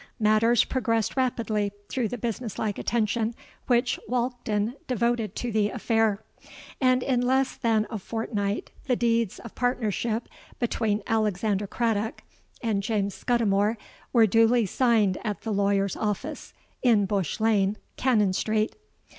Matters progressed rapidly through the business like attention which Walkden devoted to the affair; and in less than a fortnight the deeds of partnership between Alexander Craddock and James Scudimore were duly signed at the lawyer's office, in Bush Lane, Cannon Street.